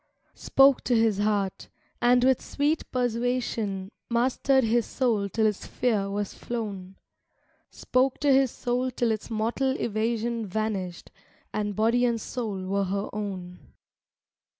Spoke to his heart, and with sweet persuasion Mastered his soul till its fear was flown; Spoke to his soul till its mortal evasion Vanished, and body and soul were her own.